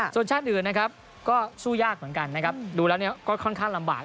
ส่วนชาติอื่นนะครับก็สู้ยากเหมือนกันนะครับดูแล้วก็ค่อนข้างลำบาก